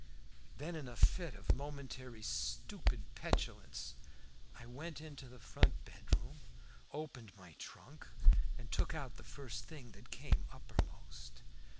Then, in a fit of momentary stupid petulance, I went into the front bedroom, opened my trunk, and took out the first thing that came uppermost.